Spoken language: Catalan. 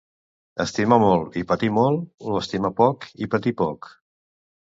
Estimar molt i patir molt, o estimar poc i patir poc?